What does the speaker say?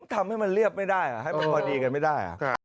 ทำให้มันเรียบไม่ได้ให้มันพอดีกันไม่ได้